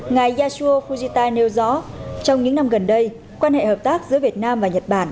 ngài yasu fujita nêu rõ trong những năm gần đây quan hệ hợp tác giữa việt nam và nhật bản